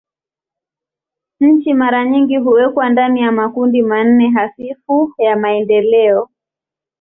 Nchi mara nyingi huwekwa ndani ya makundi manne hafifu ya maendeleo.